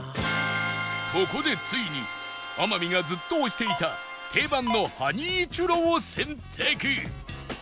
ここでついに天海がずっと推していた定番のハニーチュロを選択